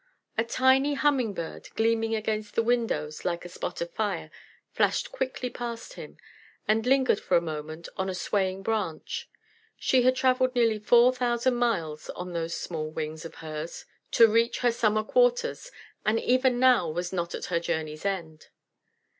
A tiny Humming Bird, gleaming against the willows like a spot of fire, flashed quickly past him, and lingered for a moment on a swaying branch; she had travelled nearly four thousand miles on those small wings of hers to reach her summer quarters, and even now was not at her journey's end.